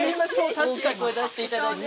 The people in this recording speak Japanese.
大きい声出していただいて。